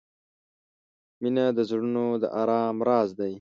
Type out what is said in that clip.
• مینه د زړونو د آرام راز دی.